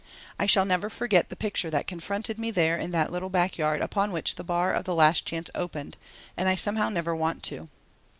I shall never forget the picture that confronted me there in that little back yard upon which the bar of the Last Chance opened, and I somehow never want to.